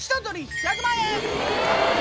１００万円！？